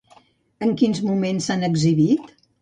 En quins moments s'han exhibit?